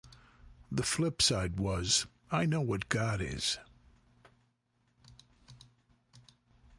The flip side was "I Know What God Is".